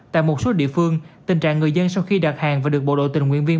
tại một số địa phương tình trạng người dân sau khi đặt hàng và được bộ đội tình nguyện viên